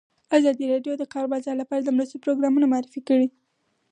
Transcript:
ازادي راډیو د د کار بازار لپاره د مرستو پروګرامونه معرفي کړي.